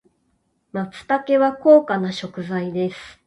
松茸は高価な食材です。